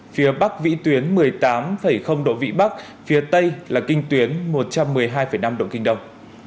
phía bắc vĩ tuyến một mươi tám độ vĩ bắc phía tây là kinh tuyến một trăm một mươi hai năm độ kinh đông